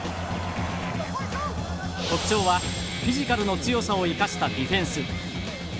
特長はフィジカルの強さを生かしたディフェンス。